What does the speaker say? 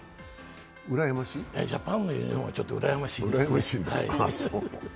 ジャパンのユニフォームはちょっとうらやましいですね。